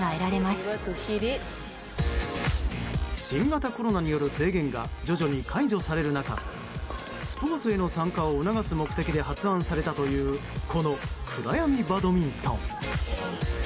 新型コロナによる制限が徐々に解除される中スポーツへの参加を促す目的で発案されたというこの暗闇バドミントン。